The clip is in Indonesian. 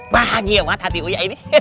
bahagia banget hati uyak ini